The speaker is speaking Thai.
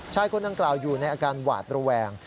ชายคนดังกล่าวอยู่ในอาการหวาดระแวง